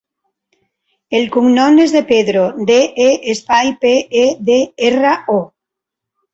El cognom és De Pedro: de, e, espai, pe, e, de, erra, o.